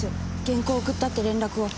原稿を送ったって連絡を。